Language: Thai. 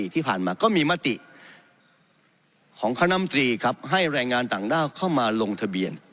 ที่ผ่านมาก็มีมติของคณะมตรีครับให้แรงงานต่างด้าวเข้ามาลงทะเบียน